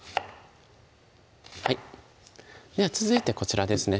はいでは続いてこちらですね